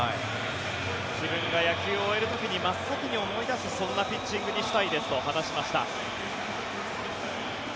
自分が野球を終える時に真っ先に思い出すそんなピッチングにしたいですと話しました。